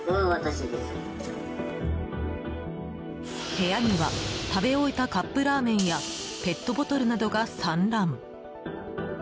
部屋には食べ終えたカップラーメンやペットボトルなどが散乱。